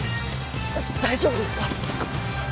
大丈夫ですか？